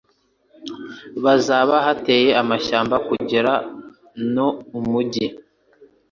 bazaba hateye amashyamba kugera no Umugi